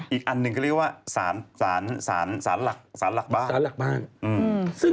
อีกอันหนึ่งเขาเรียกว่าศาลหลักบ้าน